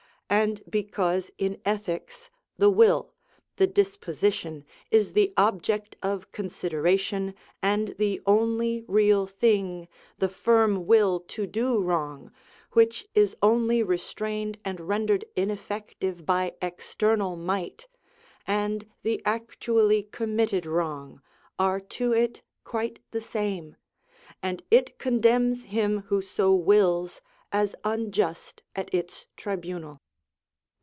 And because in ethics the will, the disposition, is the object of consideration, and the only real thing, the firm will to do wrong, which is only restrained and rendered ineffective by external might, and the actually committed wrong, are to it quite the same, and it condemns him who so wills as unjust at its tribunal.